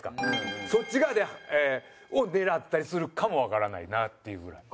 そっち側を狙ったりするかもわからないなっていうぐらい。